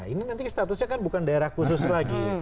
ini nanti statusnya kan bukan daerah khusus lagi